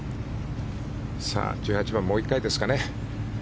１８番もう１回ですかね。